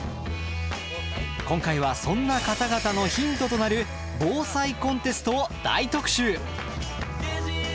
今回はそんな方々のヒントとなる防災コンテストを大特集！